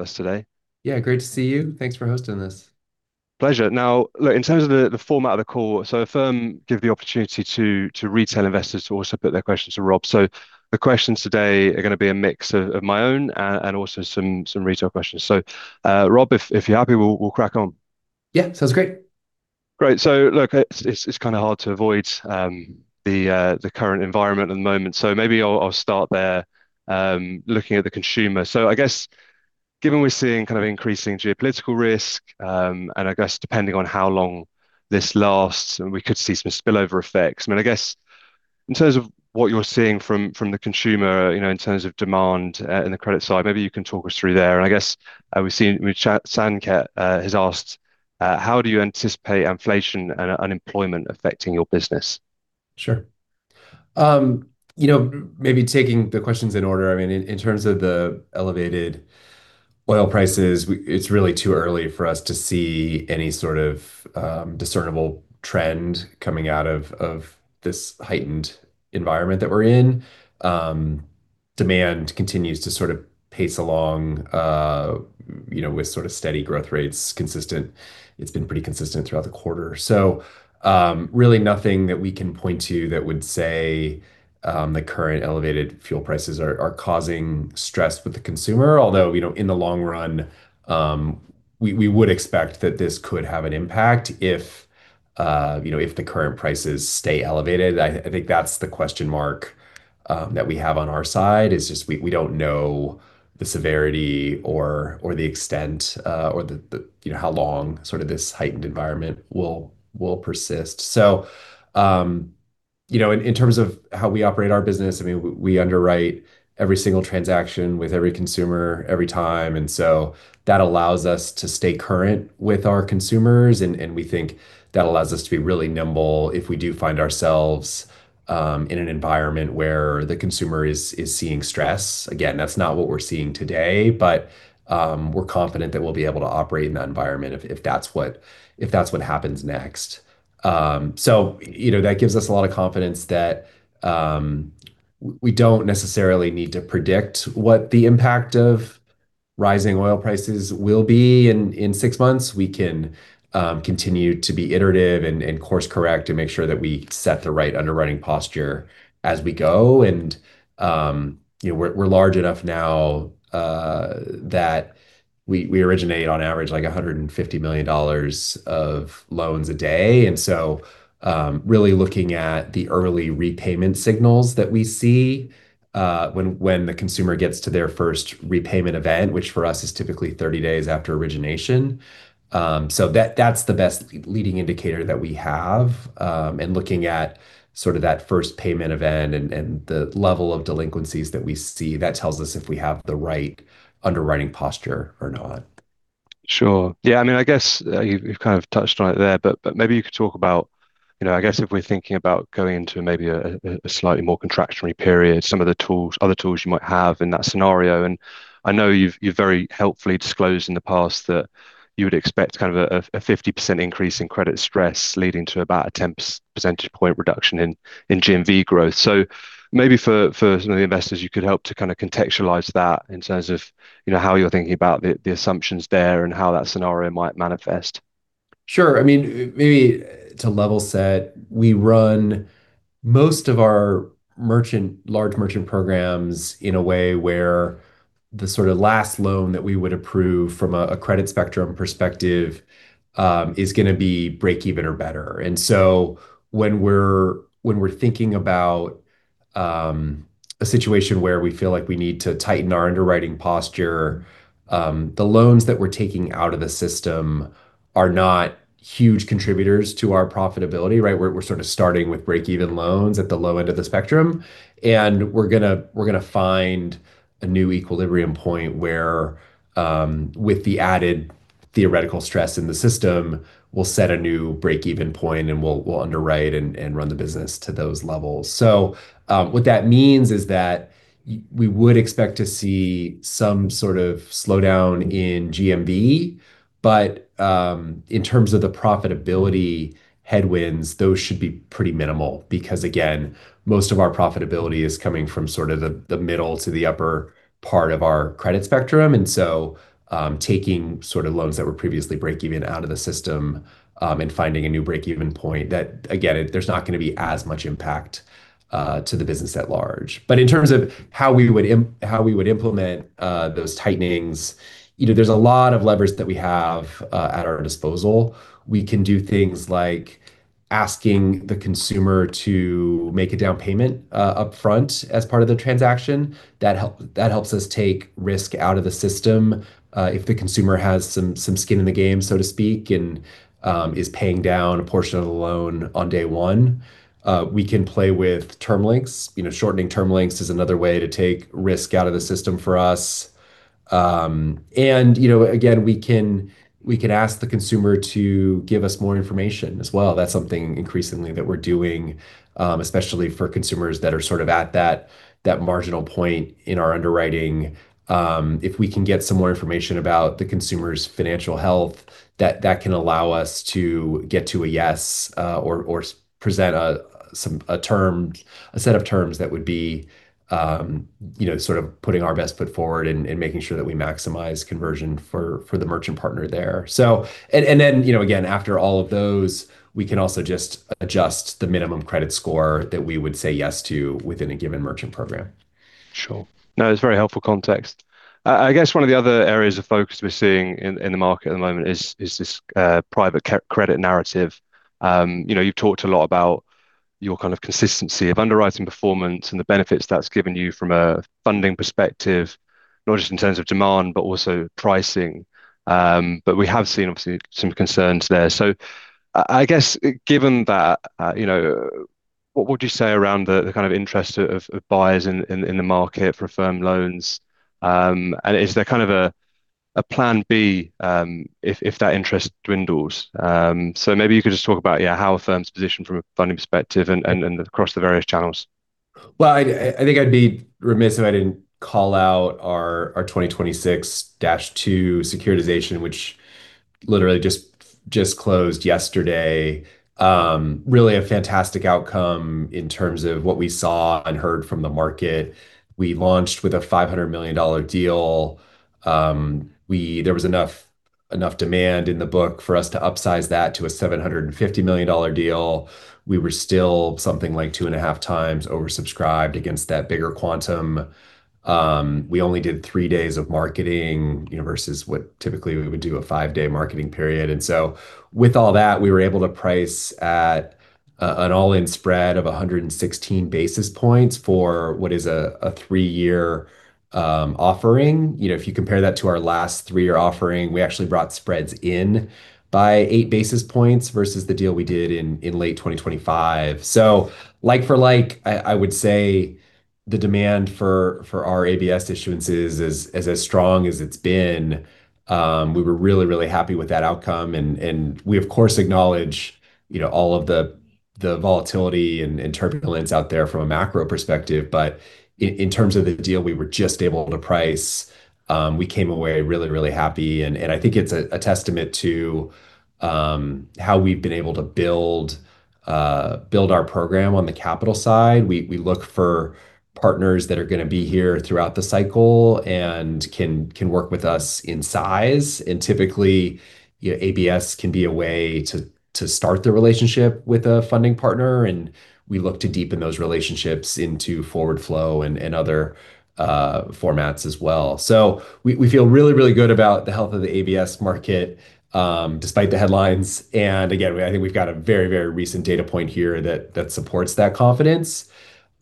Us today. Yeah, great to see you. Thanks for hosting this. Pleasure. Now, look, in terms of the format of the call, so the firm give the opportunity to retail investors to also put their questions to Rob. The questions today are gonna be a mix of my own and also some retail questions. Rob, if you're happy, we'll crack on. Yeah, sounds great. Great. Look, it's kinda hard to avoid the current environment at the moment. Maybe I'll start there, looking at the consumer. I guess given we're seeing kind of increasing geopolitical risk, and I guess depending on how long this lasts, and we could see some spillover effects. I mean, I guess in terms of what you're seeing from the consumer, you know, in terms of demand, in the credit side, maybe you can talk us through there. I guess, Sanket has asked, how do you anticipate inflation and unemployment affecting your business? Sure. You know, maybe taking the questions in order. I mean, in terms of the elevated oil prices, it's really too early for us to see any sort of discernible trend coming out of this heightened environment that we're in. Demand continues to sort of pace along, you know, with sort of steady growth rates consistent. It's been pretty consistent throughout the quarter. Really nothing that we can point to that would say the current elevated fuel prices are causing stress with the consumer. Although, you know, in the long run, we would expect that this could have an impact if you know, if the current prices stay elevated. I think that's the question mark that we have on our side is just we don't know the severity or the you know how long sort of this heightened environment will persist. You know in terms of how we operate our business I mean we underwrite every single transaction with every consumer every time and so that allows us to stay current with our consumers and we think that allows us to be really nimble if we do find ourselves in an environment where the consumer is seeing stress. Again that's not what we're seeing today but we're confident that we'll be able to operate in that environment if that's what happens next. You know, that gives us a lot of confidence that we don't necessarily need to predict what the impact of rising oil prices will be in six months. We can continue to be iterative and course correct and make sure that we set the right underwriting posture as we go. You know, we're large enough now that we originate on average like $150 million of loans a day. Really looking at the early repayment signals that we see when the consumer gets to their first repayment event, which for us is typically 30 days after origination. That's the best leading indicator that we have in looking at sort of that first payment event and the level of delinquencies that we see that tells us if we have the right underwriting posture or not. Sure. Yeah, I mean, I guess you've kind of touched on it there, but maybe you could talk about, you know, I guess if we're thinking about going into maybe a slightly more contractionary period, some of the tools, other tools you might have in that scenario. I know you've, you very helpfully disclosed in the past that you would expect kind of a 50% increase in credit stress leading to about a 10% point reduction in GMV growth. Maybe for some of the investors, you could help to kinda contextualize that in terms of, you know, how you're thinking about the assumptions there and how that scenario might manifest. Sure. I mean, maybe to level set, we run most of our merchant, large merchant programs in a way where the sort of last loan that we would approve from a credit spectrum perspective is gonna be break even or better. When we're thinking about a situation where we feel like we need to tighten our underwriting posture, the loans that we're taking out of the system are not huge contributors to our profitability, right? We're sort of starting with break even loans at the low end of the spectrum, and we're gonna find a new equilibrium point where with the added theoretical stress in the system, we'll set a new break even point and we'll underwrite and run the business to those levels. What that means is that we would expect to see some sort of slowdown in GMV, but in terms of the profitability headwinds, those should be pretty minimal. Because again, most of our profitability is coming from sort of the middle to the upper part of our credit spectrum. Taking sort of loans that were previously break even out of the system and finding a new break even point, that again, there's not gonna be as much impact to the business at large. In terms of how we would implement those tightenings, you know, there's a lot of levers that we have at our disposal. We can do things like asking the consumer to make a down payment upfront as part of the transaction. That helps us take risk out of the system, if the consumer has some skin in the game, so to speak, and is paying down a portion of the loan on day one. We can play with term lengths. You know, shortening term lengths is another way to take risk out of the system for us. You know, again, we can ask the consumer to give us more information as well. That's something increasingly that we're doing, especially for consumers that are sort of at that marginal point in our underwriting. If we can get some more information about the consumer's financial health, that can allow us to get to a yes or present a set of terms that would be, you know, sort of putting our best foot forward and making sure that we maximize conversion for the merchant partner there. Then, you know, again, after all of those, we can also just adjust the minimum credit score that we would say yes to within a given merchant program. Sure. No, it's very helpful context. I guess one of the other areas of focus we're seeing in the market at the moment is this private credit narrative. You know, you've talked a lot about your kind of consistency of underwriting performance and the benefits that's given you from a funding perspective, not just in terms of demand, but also pricing. We have seen obviously some concerns there. I guess given that, you know, what would you say around the kind of interest of buyers in the market for Affirm loans? And is there kind of a plan B, if that interest dwindles? Maybe you could just talk about, yeah, how Affirm's positioned from a funding perspective and across the various channels. I think I'd be remiss if I didn't call out our 2026-2 securitization, which literally just closed yesterday. Really a fantastic outcome in terms of what we saw and heard from the market. We launched with a $500 million deal. There was enough demand in the book for us to upsize that to a $750 million deal. We were still something like 2.5 times oversubscribed against that bigger quantum. We only did 3 days of marketing, you know, versus what typically we would do a 5-day marketing period. With all that, we were able to price at an all-in spread of 116 basis points for what is a 3-year offering. You know, if you compare that to our last 3-year offering, we actually brought spreads in by 8 basis points versus the deal we did in late 2025. Like for like, I would say the demand for our ABS issuances is as strong as it's been. We were really happy with that outcome and we of course acknowledge, you know, all of the volatility and turbulence out there from a macro perspective. In terms of the deal, we were just able to price, we came away really happy and I think it's a testament to how we've been able to build our program on the capital side. We look for partners that are gonna be here throughout the cycle and can work with us in size. Typically, ABS can be a way to start the relationship with a funding partner, and we look to deepen those relationships into forward flow and other formats as well. We feel really good about the health of the ABS market, despite the headlines. Again, I think we've got a very recent data point here that supports that confidence.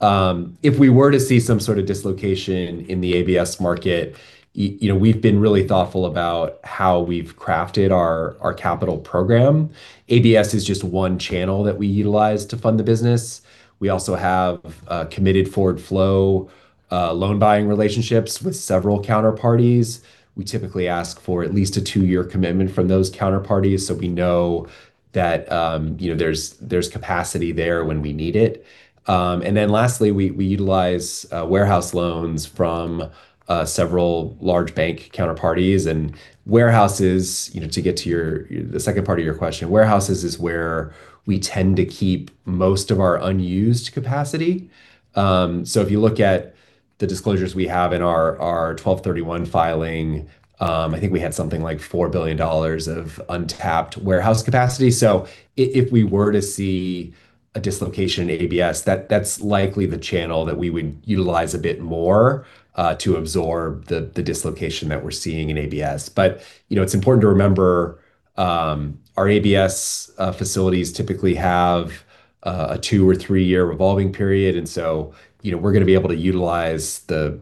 If we were to see some sort of dislocation in the ABS market, you know, we've been really thoughtful about how we've crafted our capital program. ABS is just one channel that we utilize to fund the business. We also have committed forward flow loan buying relationships with several counterparties. We typically ask for at least a two-year commitment from those counterparties, so we know that, you know, there's capacity there when we need it. Lastly, we utilize warehouse loans from several large bank counterparties. Warehouses, you know, to get to the second part of your question, is where we tend to keep most of our unused capacity. If you look at the disclosures we have in our 12/31 filing, I think we had something like $4 billion of untapped warehouse capacity. If we were to see a dislocation in ABS, that's likely the channel that we would utilize a bit more to absorb the dislocation that we're seeing in ABS. You know, it's important to remember our ABS facilities typically have a 2-year or 3-year revolving period. You know, we're gonna be able to utilize the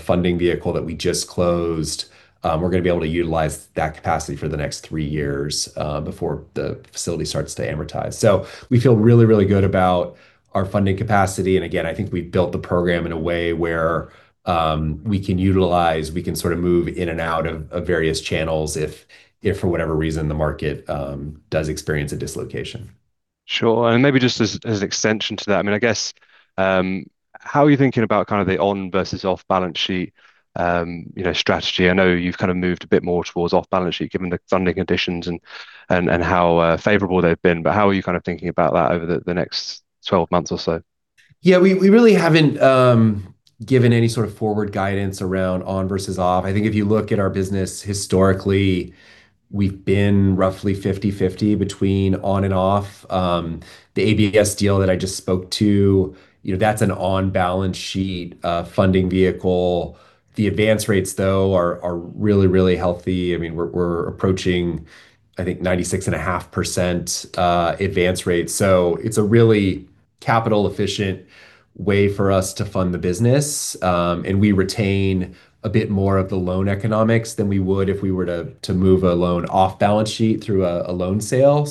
funding vehicle that we just closed. We're gonna be able to utilize that capacity for the next 3 years before the facility starts to amortize. We feel really, really good about our funding capacity. I think we've built the program in a way where we can utilize, we can sort of move in and out of various channels if for whatever reason, the market does experience a dislocation. Sure. Maybe just as an extension to that, I mean, I guess, how are you thinking about kind of the on versus off balance sheet, you know, strategy? I know you've kind of moved a bit more towards off balance sheet given the funding conditions and how favorable they've been, but how are you kind of thinking about that over the next 12 months or so? Yeah, we really haven't given any sort of forward guidance around on versus off. I think if you look at our business historically, we've been roughly 50/50 between on and off. The ABS deal that I just spoke to, you know, that's an on-balance-sheet funding vehicle. The advance rates, though, are really healthy. I mean, we're approaching, I think, 96.5% advance rate. It's a really capital-efficient way for us to fund the business. We retain a bit more of the loan economics than we would if we were to move a loan off-balance-sheet through a loan sale.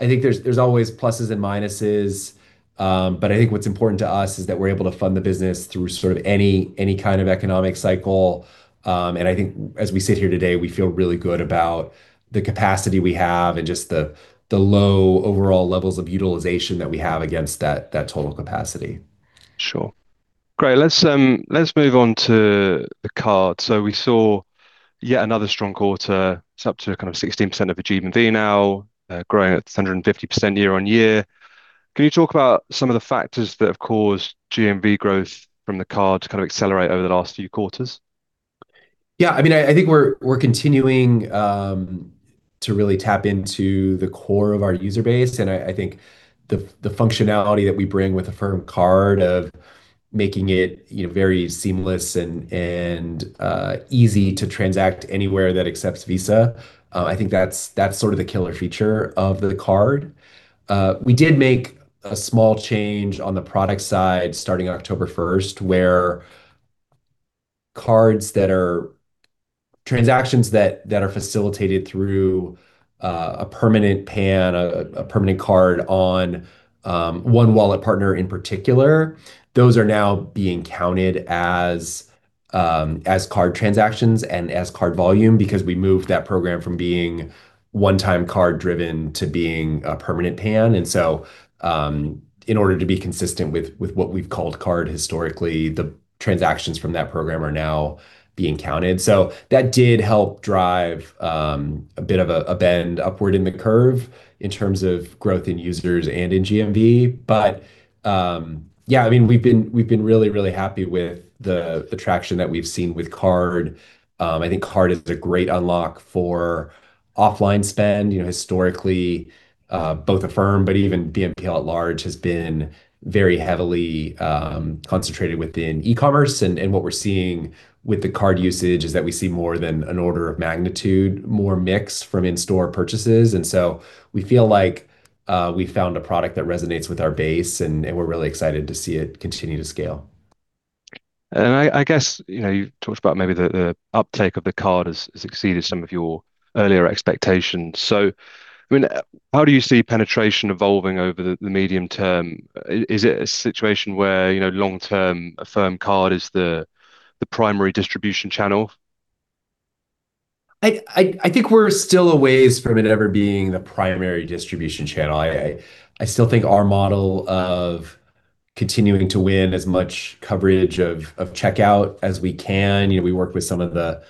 I think there's always pluses and minuses. I think what's important to us is that we're able to fund the business through sort of any kind of economic cycle. I think as we sit here today, we feel really good about the capacity we have and just the low overall levels of utilization that we have against that total capacity. Sure. Great. Let's move on to the card. We saw yet another strong quarter. It's up to kind of 16% of the GMV now, growing at 150% year-on-year. Can you talk about some of the factors that have caused GMV growth from the card to kind of accelerate over the last few quarters? Yeah, I mean, I think we're continuing to really tap into the core of our user base, and I think the functionality that we bring with Affirm Card of making it, you know, very seamless and easy to transact anywhere that accepts Visa. I think that's sort of the killer feature of the card. We did make a small change on the product side starting 1st of October, where transactions that are facilitated through a permanent PAN, a permanent card on one wallet partner in particular, those are now being counted as card transactions and as card volume because we moved that program from being one-time card driven to being a permanent PAN. In order to be consistent with what we've called Card historically, the transactions from that program are now being counted. That did help drive a bit of a bend upward in the curve in terms of growth in users and in GMV. Yeah, I mean, we've been really happy with the attraction that we've seen with Card. I think Card is a great unlock for offline spend. You know, historically, both Affirm, but even BNPL at large has been very heavily concentrated within e-commerce. And what we're seeing with the Card usage is that we see more than an order of magnitude more mix from in-store purchases. We feel like we found a product that resonates with our base, and we're really excited to see it continue to scale. I guess, you know, you talked about maybe the uptake of the card has exceeded some of your earlier expectations. I mean, how do you see penetration evolving over the medium term? Is it a situation where, you know, long term Affirm Card is the primary distribution channel? I think we're still a ways from it ever being the primary distribution channel. I still think our model of continuing to win as much coverage of checkout as we can, you know, we work with some of the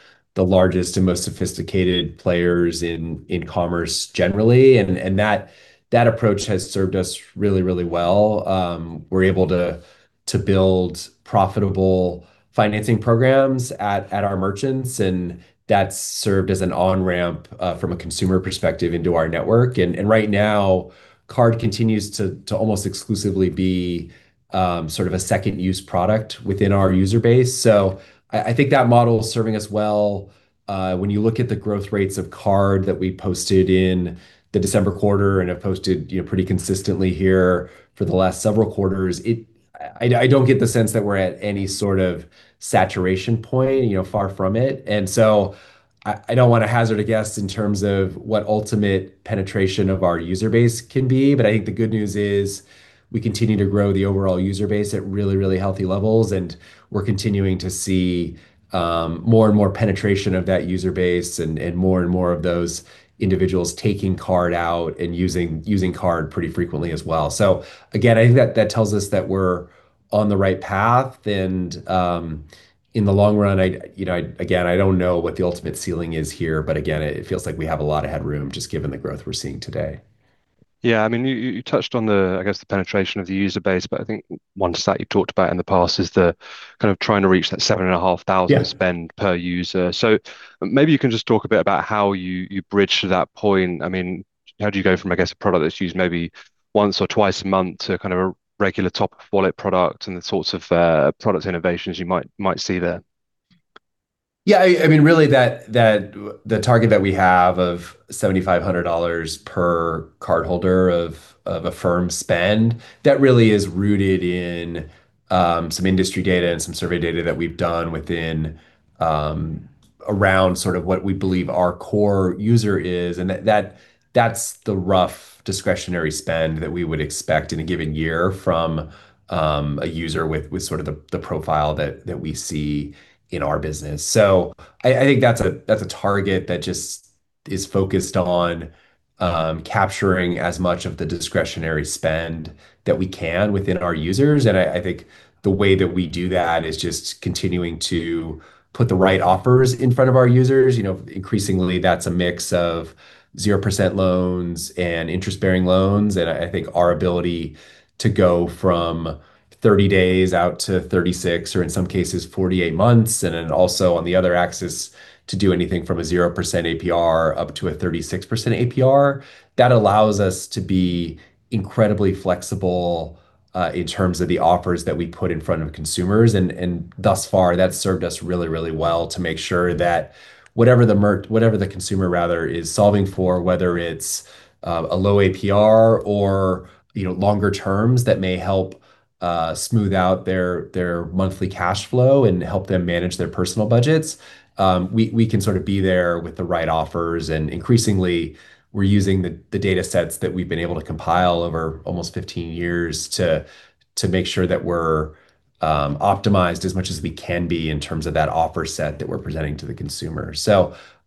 largest and most sophisticated players in commerce generally, and that approach has served us really well. We're able to build profitable financing programs at our merchants, and that's served as an on-ramp from a consumer perspective into our network. Right now, Card continues to almost exclusively be sort of a second-use product within our user base. I think that model is serving us well. When you look at the growth rates of Card that we posted in the December quarter and have posted, you know, pretty consistently here for the last several quarters, I don't get the sense that we're at any sort of saturation point, you know, far from it. I don't want to hazard a guess in terms of what ultimate penetration of our user base can be, but I think the good news is we continue to grow the overall user base at really, really healthy levels, and we're continuing to see more and more penetration of that user base and more and more of those individuals taking Card out and using Card pretty frequently as well. Again, I think that tells us that we're on the right path and in the long run, I you know again I don't know what the ultimate ceiling is here, but again it feels like we have a lot of headroom just given the growth we're seeing today. Yeah. I mean, you touched on the, I guess, the penetration of the user base, but I think one stat you talked about in the past is the kind of trying to reach that $7,500- Yeah spend per user. Maybe you can just talk a bit about how you bridge to that point. I mean, how do you go from, I guess, a product that's used maybe once or twice a month to kind of a regular top-of-wallet product and the sorts of product innovations you might see there? Yeah. I mean, really that the target that we have of $7,500 per cardholder of Affirm spend, that really is rooted in some industry data and some survey data that we've done within around sort of what we believe our core user is, and that's the rough discretionary spend that we would expect in a given year from a user with sort of the profile that we see in our business. I think that's a target that just is focused on capturing as much of the discretionary spend that we can within our users. I think the way that we do that is just continuing to put the right offers in front of our users. You know, increasingly, that's a mix of 0% loans and interest-bearing loans. I think our ability to go from 30 days out to 36 or in some cases 48 months, and then also on the other axis to do anything from a 0% APR up to a 36% APR, that allows us to be incredibly flexible in terms of the offers that we put in front of consumers. Thus far, that's served us really, really well to make sure that whatever the consumer rather is solving for, whether it's a low APR or, you know, longer terms that may help smooth out their monthly cash flow and help them manage their personal budgets, we can sort of be there with the right offers. Increasingly we're using the data sets that we've been able to compile over almost 15 years to make sure that we're optimized as much as we can be in terms of that offer set that we're presenting to the consumer. You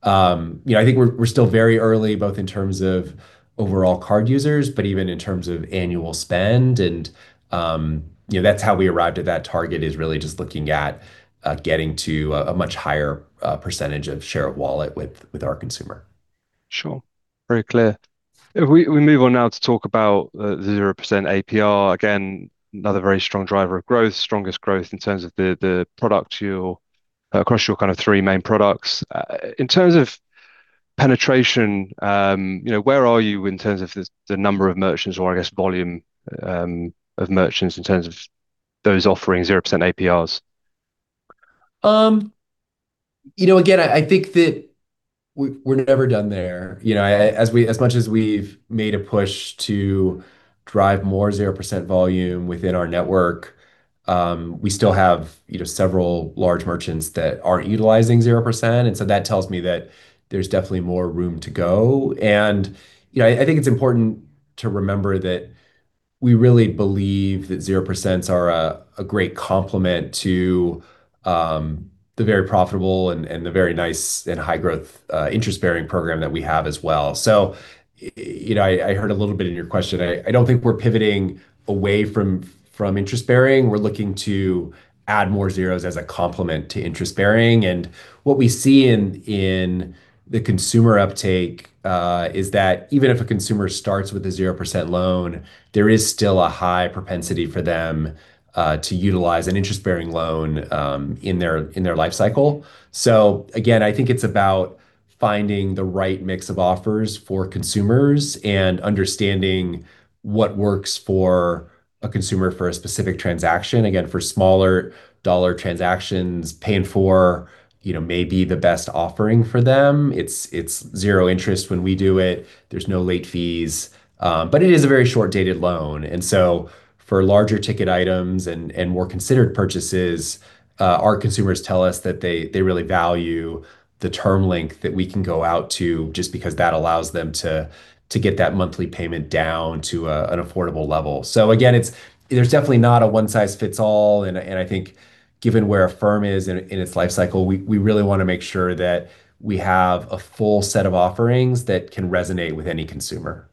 know, I think we're still very early, both in terms of overall card users, but even in terms of annual spend. You know, that's how we arrived at that target, is really just looking at getting to a much higher percentage of share of wallet with our consumer. Sure. Very clear. If we move on now to talk about the 0% APR, again, another very strong driver of growth, strongest growth in terms of the product across your kind of three main products. In terms of penetration, you know, where are you in terms of the number of merchants or I guess volume of merchants in terms of those offering 0% APRs? You know, again, I think that we're never done there. You know, as much as we've made a push to drive more 0% volume within our network, we still have, you know, several large merchants that aren't utilizing 0%. That tells me that there's definitely more room to go. You know, I think it's important to remember that we really believe that 0% are a great complement to the very profitable and the very nice and high growth interest-bearing program that we have as well. You know, I heard a little bit in your question. I don't think we're pivoting away from interest-bearing. We're looking to add more 0% as a complement to interest-bearing. What we see in the consumer uptake is that even if a consumer starts with a 0% loan, there is still a high propensity for them to utilize an interest-bearing loan in their life cycle. I think it's about finding the right mix of offers for consumers and understanding what works for a consumer for a specific transaction. Again, for smaller dollar transactions, Pay in 4, you know, may be the best offering for them. It's zero interest when we do it. There's no late fees. It is a very short-dated loan. For larger ticket items and more considered purchases, our consumers tell us that they really value the term length that we can go out to just because that allows them to get that monthly payment down to an affordable level. Again, it's there. There's definitely not a one size fits all, and I think given where Affirm is in its life cycle, we really wanna make sure that we have a full set of offerings that can resonate with any consumer.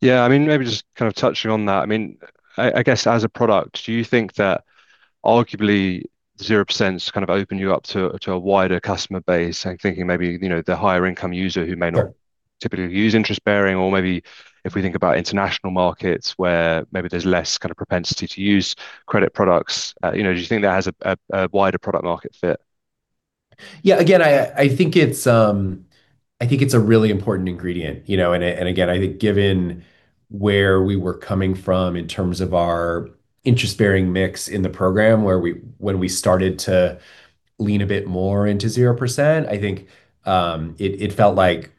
Yeah. I mean, maybe just kind of touching on that. I mean, I guess as a product, do you think that arguably 0% kind of open you up to a wider customer base? I'm thinking maybe, you know, the higher income user who may not typically use interest-bearing or maybe if we think about international markets where maybe there's less kind of propensity to use credit products. You know, do you think that has a wider product market fit? Yeah, again, I think it's a really important ingredient, you know. I think given where we were coming from in terms of our interest-bearing mix in the program when we started to lean a bit more into 0%, I think it felt like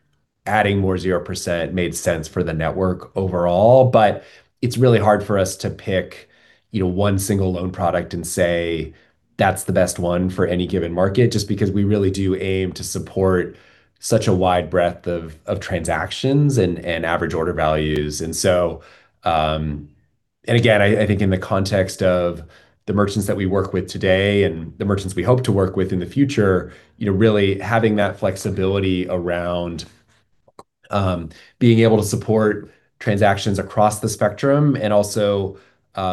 adding more 0% made sense for the network overall. It's really hard for us to pick, you know, one single loan product and say, "That's the best one for any given market," just because we really do aim to support such a wide breadth of transactions and average order values. I think in the context of the merchants that we work with today and the merchants we hope to work with in the future, you know, really having that flexibility around being able to support transactions across the spectrum and also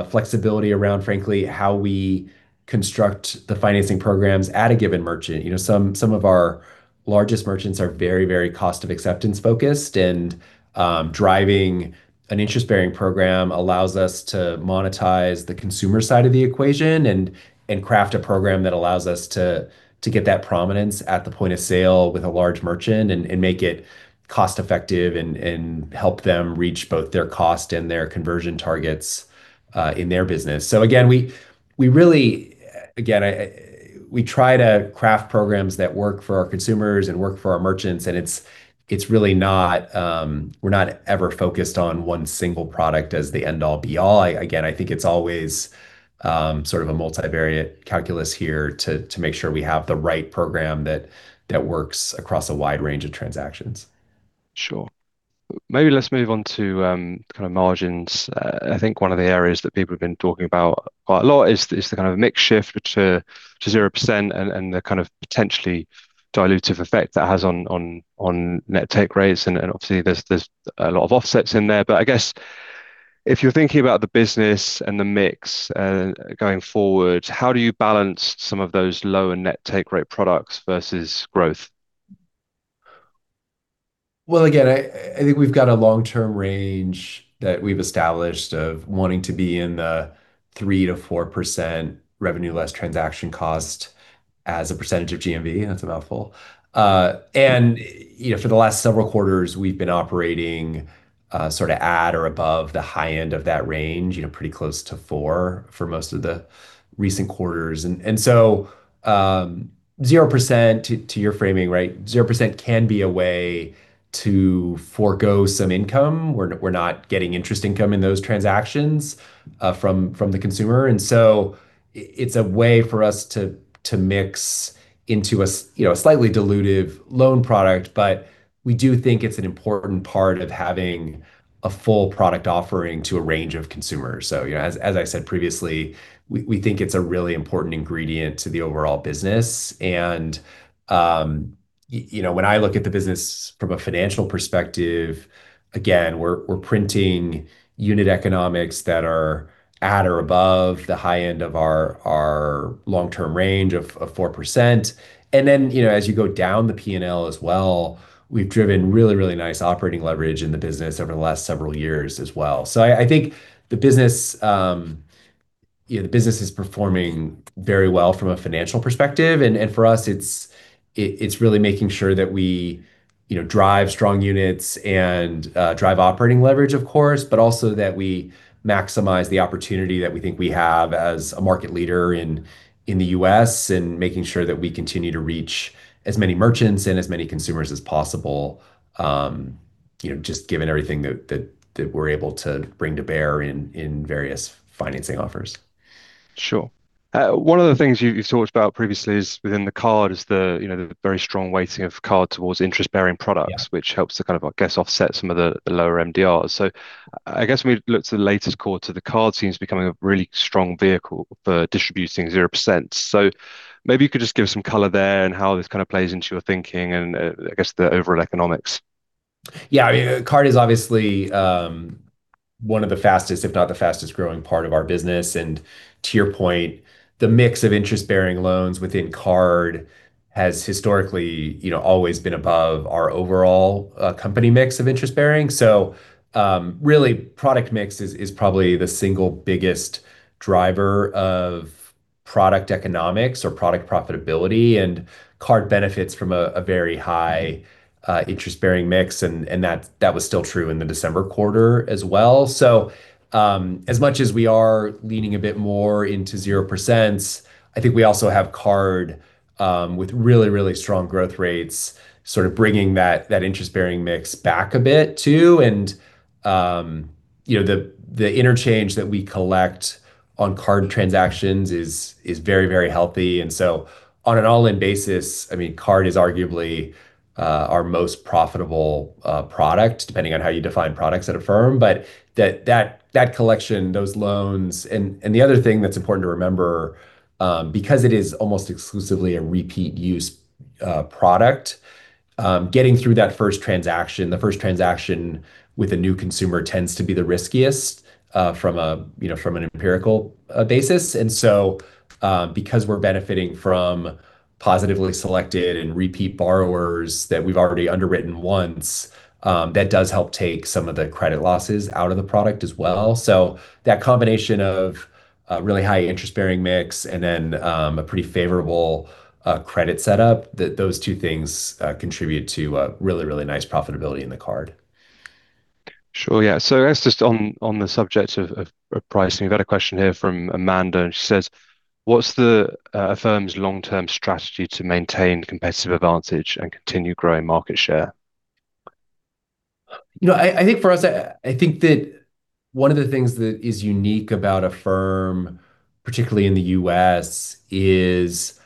flexibility around, frankly, how we construct the financing programs at a given merchant. You know, some of our largest merchants are very cost of acceptance focused and driving an interest-bearing program allows us to monetize the consumer side of the equation and craft a program that allows us to get that prominence at the point of sale with a large merchant and make it cost-effective and help them reach both their cost and their conversion targets in their business. We really try to craft programs that work for our consumers and work for our merchants, and it's really not. We're not ever focused on one single product as the end all be all. Again, I think it's always sort of a multivariate calculus here to make sure we have the right program that works across a wide range of transactions. Sure. Maybe let's move on to kind of margins. I think one of the areas that people have been talking about quite a lot is the kind of mix shift to 0% and the kind of potentially dilutive effect that has on net take rates and obviously there's a lot of offsets in there. I guess if you're thinking about the business and the mix going forward, how do you balance some of those lower net take rate products versus growth? Again, I think we've got a long-term range that we've established of wanting to be in the 3%-4% Revenue Less Transaction Cost as a percentage of GMV. That's a mouthful. You know, for the last several quarters, we've been operating sort of at or above the high end of that range, you know, pretty close to 4% for most of the recent quarters. 0% to your framing, right? 0% can be a way to forego some income. We're not getting interest income in those transactions from the consumer. It's a way for us to mix into you know, a slightly dilutive loan product. We do think it's an important part of having a full product offering to a range of consumers. You know, as I said previously, we think it's a really important ingredient to the overall business. You know, when I look at the business from a financial perspective, again, we're printing unit economics that are at or above the high end of our long-term range of 4%. Then, you know, as you go down the P&L as well, we've driven really nice operating leverage in the business over the last several years as well. I think the business, you know, the business is performing very well from a financial perspective. For us, it's really making sure that we, you know, drive strong units and drive operating leverage, of course, but also that we maximize the opportunity that we think we have as a market leader in the U.S. Making sure that we continue to reach as many merchants and as many consumers as possible, you know, just given everything that we're able to bring to bear in various financing offers. Sure. One of the things you talked about previously is within the card, you know, the very strong weighting of the card towards interest-bearing products. Yeah. Which helps to kind of, I guess, offset some of the lower MDRs. I guess when we look to the latest quarter, the card seems becoming a really strong vehicle for distributing 0%. Maybe you could just give some color there and how this kind of plays into your thinking and, I guess, the overall economics. Yeah. I mean, card is obviously one of the fastest, if not the fastest-growing part of our business. To your point, the mix of interest-bearing loans within card has historically, you know, always been above our overall company mix of interest-bearing. Really product mix is probably the single biggest driver of product economics or product profitability and card benefits from a very high interest-bearing mix and that was still true in the December quarter as well. As much as we are leaning a bit more into 0%, I think we also have card with really strong growth rates sort of bringing that interest-bearing mix back a bit too. You know, the interchange that we collect on card transactions is very healthy. On an all-in basis, I mean, card is arguably our most profitable product, depending on how you define products at Affirm. That collection, those loans. The other thing that's important to remember, because it is almost exclusively a repeat use product, getting through that first transaction with a new consumer tends to be the riskiest from a, you know, from an empirical basis. Because we're benefiting from positively selected and repeat borrowers that we've already underwritten once, that does help take some of the credit losses out of the product as well. That combination of a really high interest-bearing mix and then a pretty favorable credit setup, those two things contribute to a really, really nice profitability in the card. Sure. Yeah. I guess just on the subject of pricing, we've had a question here from Amanda, and she says, "What's Affirm's long-term strategy to maintain competitive advantage and continue growing market share? You know, I think for us, I think that one of the things that is unique about Affirm, particularly in the U.S., is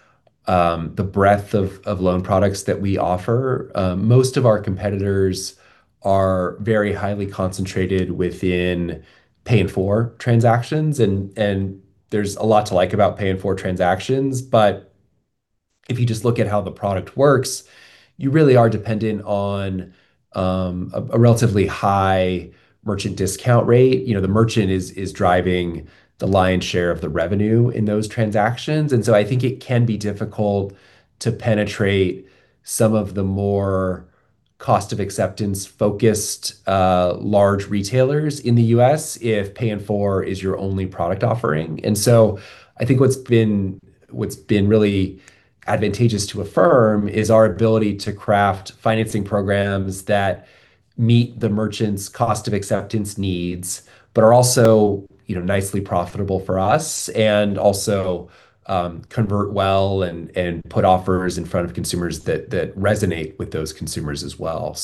the breadth of loan products that we offer. Most of our competitors are very highly concentrated within Pay in 4 transactions. There's a lot to like about Pay in 4 transactions. If you just look at how the product works, you really are dependent on a relatively high merchant discount rate. You know, the merchant is driving the lion's share of the revenue in those transactions. I think it can be difficult to penetrate some of the more cost of acceptance-focused large retailers in the U.S. if Pay in 4 is your only product offering. I think what's been really advantageous to Affirm is our ability to craft financing programs that meet the merchant's cost of acceptance needs, but are also, you know, nicely profitable for us and also convert well and put offers in front of consumers that resonate with those consumers as well.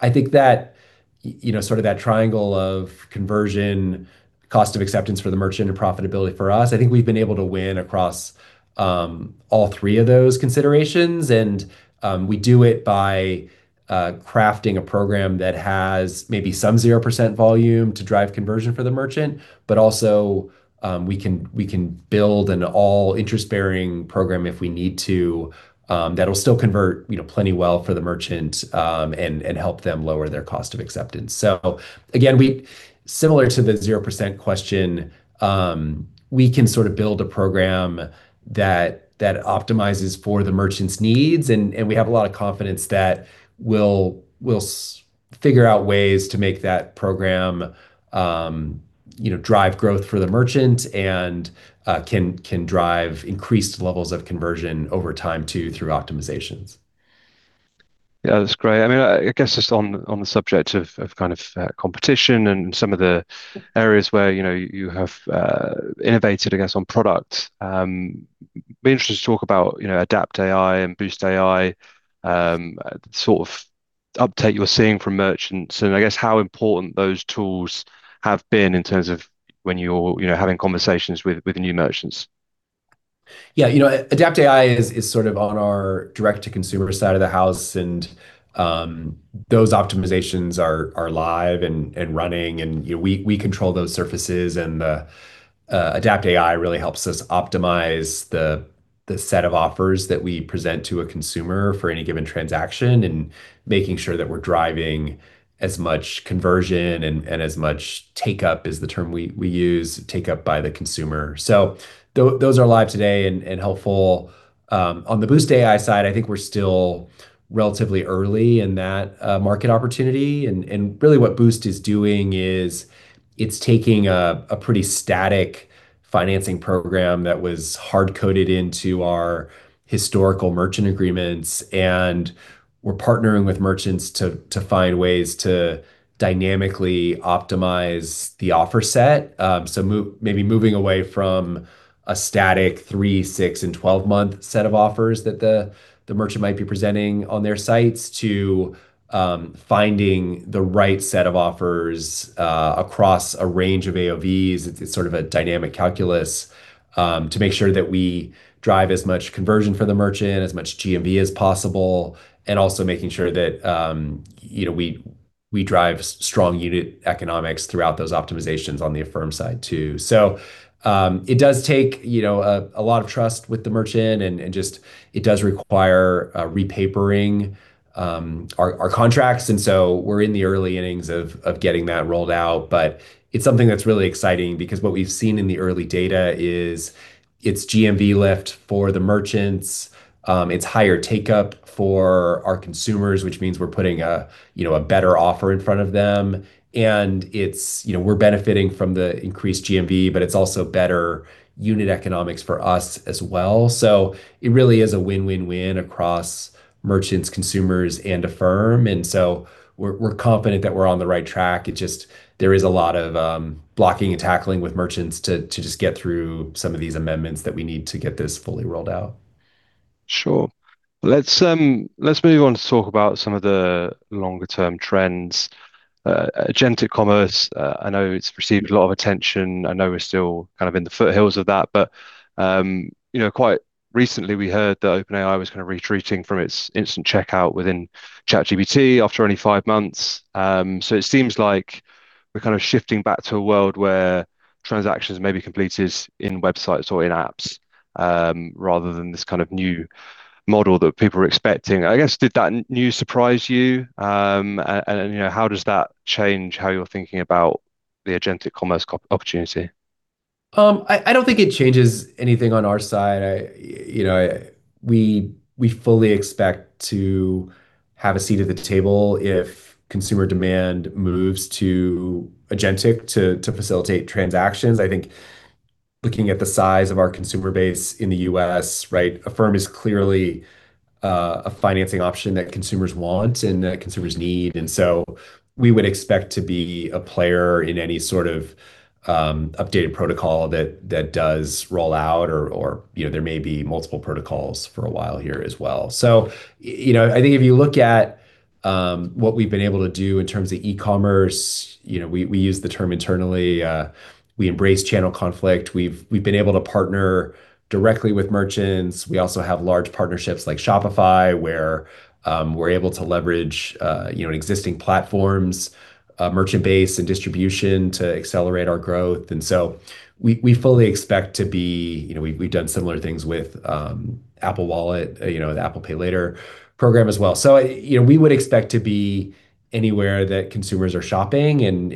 I think that, you know, sort of that triangle of conversion, cost of acceptance for the merchant, and profitability for us, I think we've been able to win across all three of those considerations. We do it by crafting a program that has maybe some 0% volume to drive conversion for the merchant. Also, we can build an all interest-bearing program if we need to, that'll still convert, you know, plenty well for the merchant, and help them lower their cost of acceptance. Again, similar to the 0% question, we can sort of build a program that optimizes for the merchant's needs, and we have a lot of confidence that we'll figure out ways to make that program, you know, drive growth for the merchant and can drive increased levels of conversion over time too through optimizations. Yeah. That's great. I mean, I guess just on the subject of kind of competition and some of the areas where, you know, you have innovated, I guess, on product, be interested to talk about, you know, AdaptAI and BoostAI, the sort of uptake you're seeing from merchants and I guess how important those tools have been in terms of when you're, you know, having conversations with new merchants. Yeah. You know, AdaptAI is sort of on our direct-to-consumer side of the house and those optimizations are live and running and, you know, we control those surfaces and the AdaptAI really helps us optimize the set of offers that we present to a consumer for any given transaction, and making sure that we're driving as much conversion and as much take-up is the term we use, take-up by the consumer. Those are live today and helpful. On the BoostAI side, I think we're still relatively early in that market opportunity. Really what BoostAI is doing is it's taking a pretty static financing program that was hard-coded into our historical merchant agreements, and we're partnering with merchants to find ways to dynamically optimize the offer set. Maybe moving away from a static 3 months, 6 months, and 12-month set of offers that the merchant might be presenting on their sites to finding the right set of offers across a range of AOVs. It's sort of a dynamic calculus to make sure that we drive as much conversion for the merchant, as much GMV as possible, and also making sure that, you know, we drive strong unit economics throughout those optimizations on the Affirm side too. It does take, you know, a lot of trust with the merchant and just it does require repapering our contracts. We're in the early innings of getting that rolled out. It's something that's really exciting because what we've seen in the early data is its GMV lift for the merchants, it's higher take-up for our consumers, which means we're putting a, you know, a better offer in front of them. It's, you know, we're benefiting from the increased GMV, but it's also better unit economics for us as well. It really is a win-win-win across merchants, consumers, and Affirm. We're confident that we're on the right track. It just, there is a lot of blocking and tackling with merchants to just get through some of these amendments that we need to get this fully rolled out. Sure. Let's move on to talk about some of the longer-term trends. Agentic commerce, I know it's received a lot of attention. I know we're still kind of in the foothills of that. You know, quite recently, we heard that OpenAI was kind of retreating from its instant checkout within ChatGPT after only five months. It seems like we're kind of shifting back to a world where transactions may be completed in websites or in apps, rather than this kind of new model that people are expecting. I guess, did that news surprise you? You know, how does that change how you're thinking about the agentic commerce opportunity? I don't think it changes anything on our side. We fully expect to have a seat at the table if consumer demand moves to agentic to facilitate transactions. I think looking at the size of our consumer base in the U.S., right? Affirm is clearly a financing option that consumers want and that consumers need. We would expect to be a player in any sort of updated protocol that does roll out or, you know, there may be multiple protocols for a while here as well. You know, I think if you look at what we've been able to do in terms of e-commerce, you know, we use the term internally, we embrace channel conflict. We've been able to partner directly with merchants. We also have large partnerships like Shopify, where we're able to leverage you know existing platforms, merchant base and distribution to accelerate our growth. We fully expect to be, you know, we've done similar things with Apple Wallet, you know, the Apple Pay Later program as well. You know, we would expect to be anywhere that consumers are shopping, and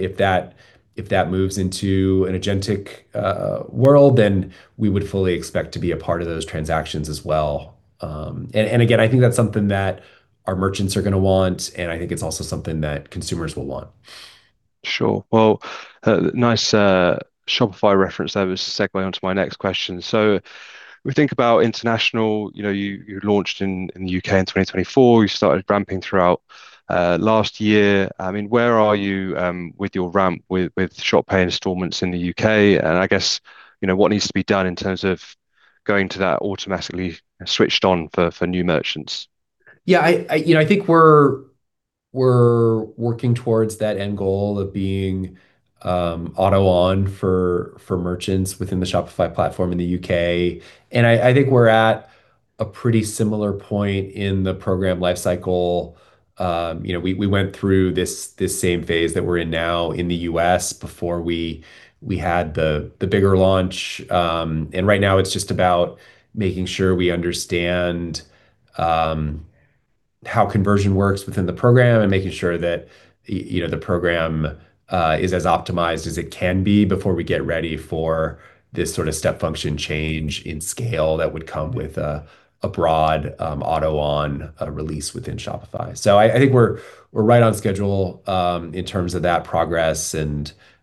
if that moves into an agentic world, then we would fully expect to be a part of those transactions as well. Again, I think that's something that our merchants are gonna want, and I think it's also something that consumers will want. Sure. Well, nice Shopify reference. That was a segue onto my next question. We think about international. You know, you launched in the U.K. in 2024. You started ramping throughout last year. I mean, where are you with your ramp with Shop Pay Installments in the U.K.? And I guess, you know, what needs to be done in terms of going to that automatically switched on for new merchants? Yeah. You know, I think we're working towards that end goal of being auto on for merchants within the Shopify platform in the U.K. I think we're at a pretty similar point in the program life cycle. You know, we went through this same phase that we're in now in the U.S. before we had the bigger launch. Right now it's just about making sure we understand how conversion works within the program and making sure that you know, the program is as optimized as it can be before we get ready for this sort of step function change in scale that would come with a broad auto on release within Shopify. I think we're right on schedule in terms of that progress.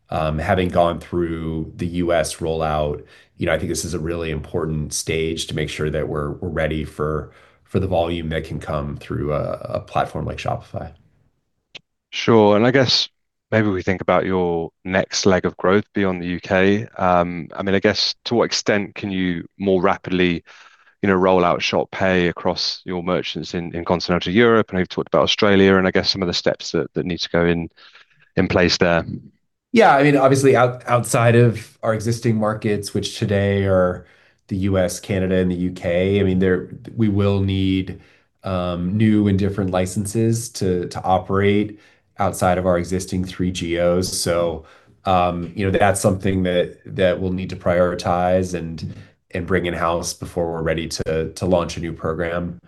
Having gone through the U.S. rollout, you know, I think this is a really important stage to make sure that we're ready for the volume that can come through a platform like Shopify. Sure. I guess maybe we think about your next leg of growth beyond the U.K. I mean, I guess to what extent can you more rapidly, you know, roll out Shop Pay across your merchants in continental Europe? I know you've talked about Australia and I guess some of the steps that need to go in place there. Yeah, I mean, obviously outside of our existing markets, which today are the U.S., Canada, and the U.K., I mean, there we will need new and different licenses to operate outside of our existing three geos. You know, that's something that we'll need to prioritize and bring in-house before we're ready to launch a new program.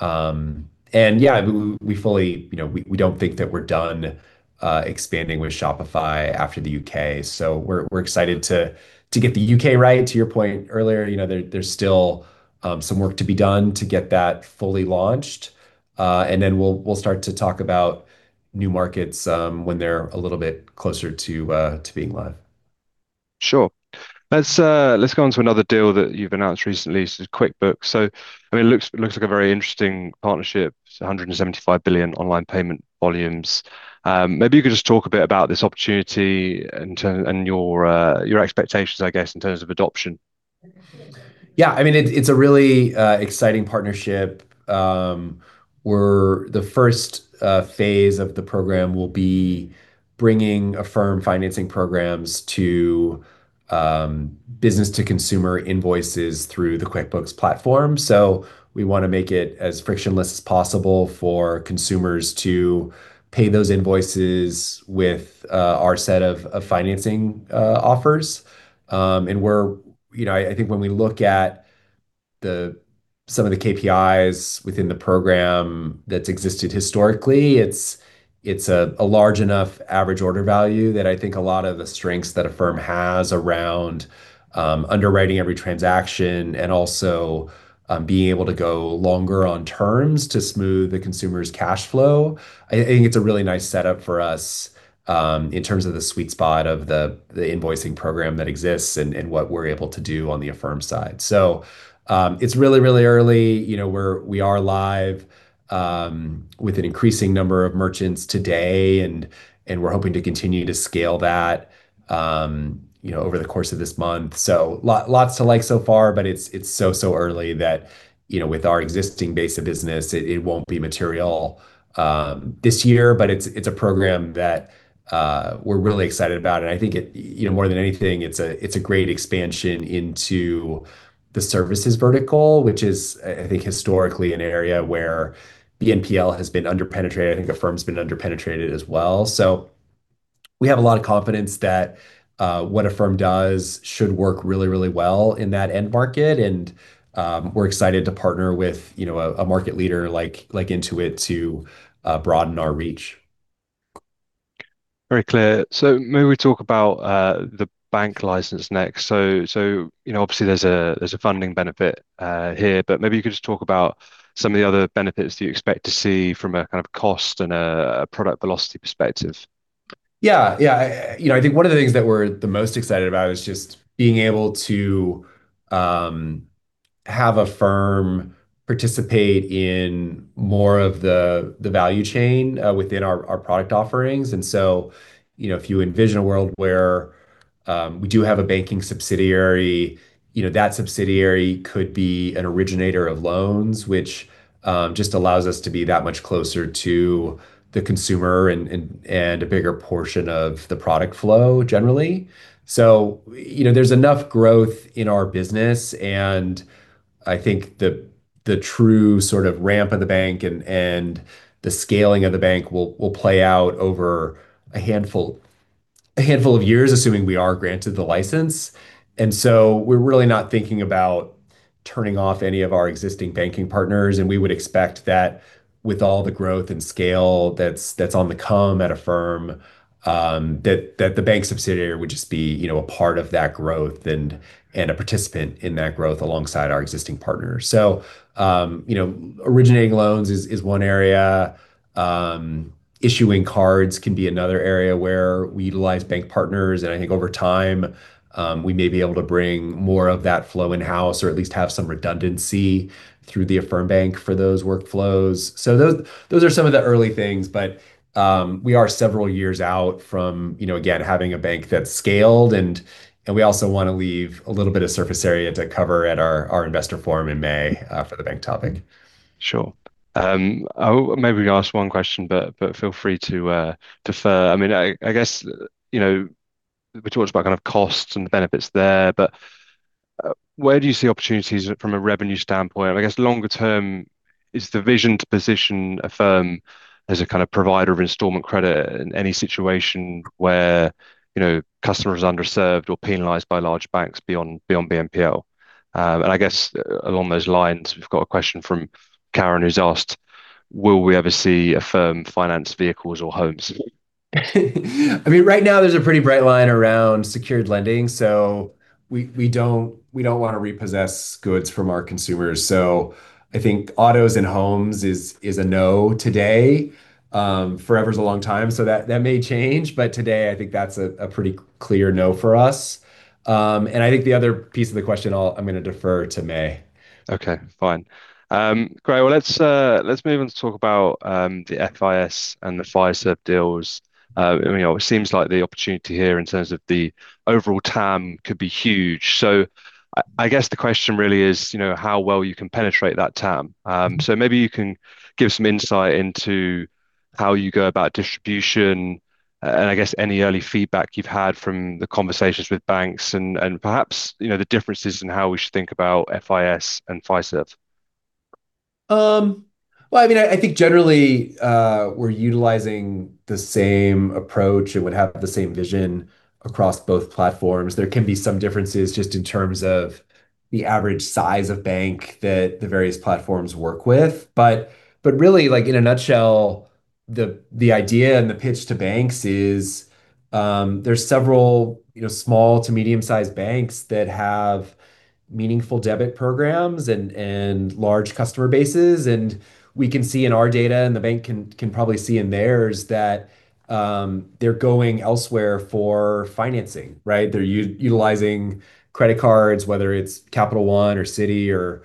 Yeah, we fully, you know, we don't think that we're done expanding with Shopify after the U.K. We're excited to get the U.K. right. To your point earlier, you know, there's still some work to be done to get that fully launched. We'll start to talk about new markets when they're a little bit closer to being live. Sure. Let's go on to another deal that you've announced recently, QuickBooks. I mean, it looks like a very interesting partnership. It's $175 billion online payment volumes. Maybe you could just talk a bit about this opportunity and your expectations, I guess, in terms of adoption. Yeah. I mean, it's a really exciting partnership. The first phase of the program will be bringing Affirm financing programs to business to consumer invoices through the QuickBooks platform. We wanna make it as frictionless as possible for consumers to pay those invoices with our set of financing offers. You know, I think when we look at some of the KPIs within the program that's existed historically, it's a large enough average order value that I think a lot of the strengths that Affirm has around underwriting every transaction and also being able to go longer on terms to smooth the consumer's cash flow. I think it's a really nice setup for us in terms of the sweet spot of the invoicing program that exists and what we're able to do on the Affirm side. It's really early. You know, we are live with an increasing number of merchants today, and we're hoping to continue to scale that, you know, over the course of this month. Lots to like so far, but it's so early that, you know, with our existing base of business, it won't be material this year. It's a program that we're really excited about. I think it. You know, more than anything, it's a great expansion into the services vertical, which is, I think historically an area where BNPL has been under-penetrated. I think Affirm's been under-penetrated as well. We have a lot of confidence that what Affirm does should work really, really well in that end market. We're excited to partner with, you know, a market leader like Intuit to broaden our reach. Very clear. Maybe we talk about the bank license next. You know, obviously there's a funding benefit here, but maybe you could just talk about some of the other benefits that you expect to see from a kind of cost and a product velocity perspective. Yeah. Yeah. You know, I think one of the things that we're the most excited about is just being able to have Affirm participate in more of the value chain within our product offerings. You know, if you envision a world where we do have a banking subsidiary, you know, that subsidiary could be an originator of loans, which just allows us to be that much closer to the consumer and a bigger portion of the product flow generally. You know, there's enough growth in our business, and I think the true sort of ramp of the bank and the scaling of the bank will play out over a handful of years, assuming we are granted the license. We're really not thinking about turning off any of our existing banking partners, and we would expect that with all the growth and scale that's on the come at Affirm, that the bank subsidiary would just be, you know, a part of that growth and a participant in that growth alongside our existing partners. You know, originating loans is one area. Issuing cards can be another area where we utilize bank partners, and I think over time, we may be able to bring more of that flow in-house or at least have some redundancy through the Affirm bank for those workflows. Those are some of the early things, but we are several years out from, you know, again, having a bank that's scaled, and we also wanna leave a little bit of surface area to cover at our investor forum in May, for the bank topic. Sure. Maybe we ask one question, but feel free to defer. I mean, I guess, you know, we talked about kind of costs and the benefits there, but where do you see opportunities from a revenue standpoint? I guess longer term, is the vision to position Affirm as a kind of provider of installment credit in any situation where, you know, customer is underserved or penalized by large banks beyond BNPL? I guess along those lines, we've got a question from Karen, who's asked, "Will we ever see Affirm finance vehicles or homes? I mean, right now there's a pretty bright line around secured lending. We don't wanna repossess goods from our consumers. I think autos and homes is a no today. Forever's a long time, so that may change, but today I think that's a pretty clear no for us. I think the other piece of the question I'm gonna defer to May. Okay, fine. Great. Well, let's move on to talk about the FIS and the Fiserv deals. You know, it seems like the opportunity here in terms of the overall TAM could be huge. So I guess the question really is, you know, how well you can penetrate that TAM. So maybe you can give some insight into how you go about distribution. I guess any early feedback you've had from the conversations with banks and perhaps, you know, the differences in how we should think about FIS and Fiserv. Well, I mean, I think generally, we're utilizing the same approach and would have the same vision across both platforms. There can be some differences just in terms of the average size of bank that the various platforms work with. Really, like, in a nutshell, the idea and the pitch to banks is, there's several, you know, small to medium-sized banks that have meaningful debit programs and large customer bases. We can see in our data, and the bank can probably see in theirs, that they're going elsewhere for financing, right? They're utilizing credit cards, whether it's Capital One or Citi or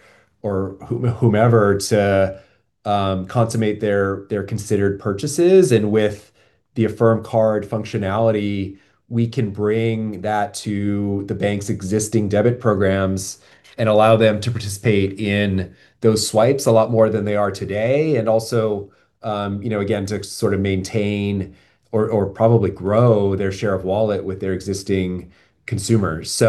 whomever to consummate their considered purchases. With the Affirm Card functionality, we can bring that to the bank's existing debit programs and allow them to participate in those swipes a lot more than they are today. Also, you know, again, to sort of maintain or probably grow their share of wallet with their existing consumers.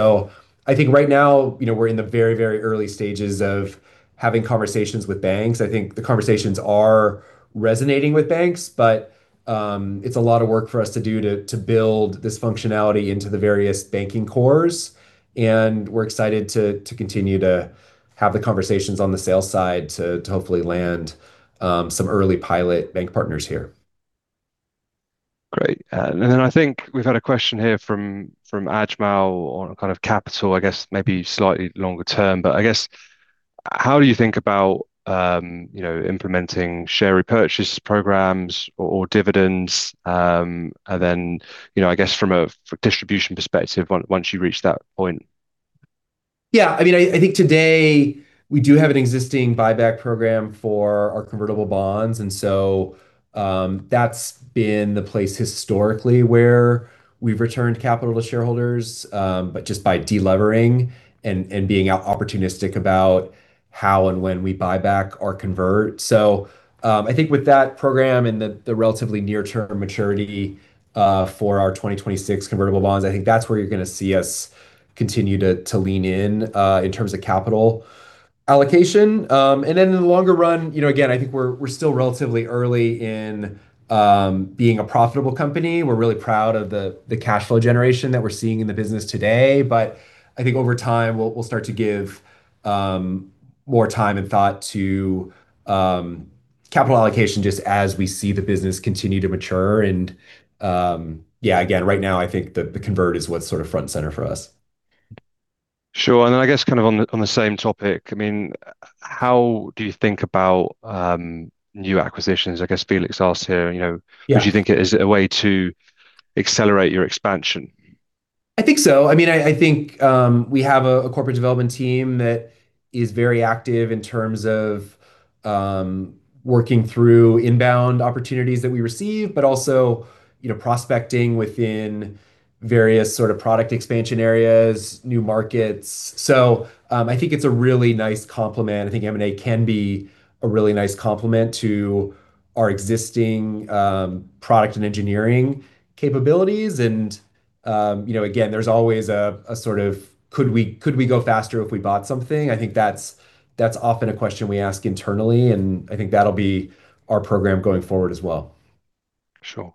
I think right now, you know, we're in the very, very early stages of having conversations with banks. I think the conversations are resonating with banks, but it's a lot of work for us to do to build this functionality into the various banking cores. We're excited to continue to have the conversations on the sales side to hopefully land some early pilot bank partners here. Great. I think we've had a question here from Ajmal on a kind of capital, I guess maybe slightly longer term, but I guess how do you think about, you know, implementing share repurchase programs or dividends, you know, I guess from a distribution perspective once you reach that point? Yeah. I mean, I think today we do have an existing buyback program for our convertible bonds, and so, that's been the place historically where we've returned capital to shareholders, but just by de-leveraging and being opportunistic about how and when we buy back our convert. I think with that program and the relatively near term maturity for our 2026 convertible bonds, I think that's where you're gonna see us continue to lean in in terms of capital allocation. In the longer run, you know, again, I think we're still relatively early in being a profitable company. We're really proud of the cash flow generation that we're seeing in the business today. I think over time, we'll start to give more time and thought to capital allocation just as we see the business continue to mature. Yeah, again, right now, I think the convert is what's sort of front and center for us. Sure. I guess kind of on the same topic, I mean, how do you think about new acquisitions? I guess Felix asked here, you know. Yeah. Would you think it is a way to accelerate your expansion? I think so. I mean, I think we have a corporate development team that is very active in terms of working through inbound opportunities that we receive, but also, you know, prospecting within various sort of product expansion areas, new markets. I think it's a really nice complement. I think M&A can be a really nice complement to our existing product and engineering capabilities. You know, again, there's always a sort of could we go faster if we bought something? I think that's often a question we ask internally, and I think that'll be our program going forward as well. Sure.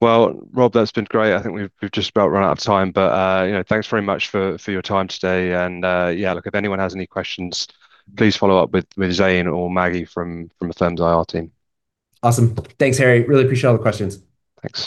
Well, Rob, that's been great. I think we've just about run out of time, but you know, thanks very much for your time today. Yeah, look, if anyone has any questions, please follow up with Zane or Maggie from Affirm's IR team. Awesome. Thanks, Harry. Really appreciate all the questions. Thanks.